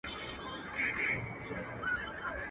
زه پور غواړم، ته نور غواړې.